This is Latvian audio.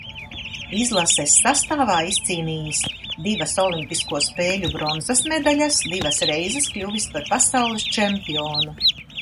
Izlases sastāvā izcīnījis divas olimpisko spēļu bronzas medaļas, divas reizes kļuvis par Pasaules čempionu.